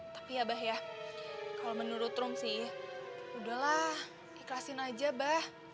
tapi ya ba ya kalau menurut rum sih udahlah ikhlasin aja ba